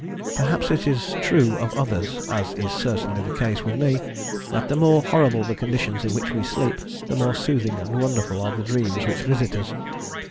Perhaps it is true of others as is certainly the case with me, that the more horrible the conditions in which we sleep, the more soothing and wonderful are the dreams which visit us.